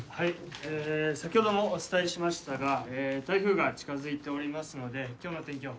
えぇ先ほどもお伝えしましたがえぇ台風が近づいておりますので今日の天気予報